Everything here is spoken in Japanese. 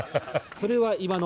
それは今の。